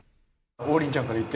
王林ちゃんから行って。